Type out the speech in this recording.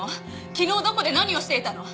昨日どこで何をしていたの？